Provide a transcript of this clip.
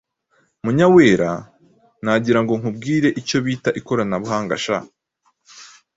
Munyawera:Nagira ngo nkubwire icyo bita ikoranabuhanga sha!